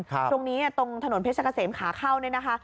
ตรงนี้ตรงถนนเพชรกะเสมขาเข้าเนี่ยนะคะ